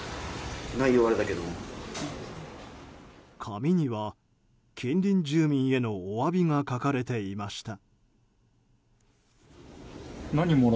紙には、近隣住民へのお詫びが書かれていました。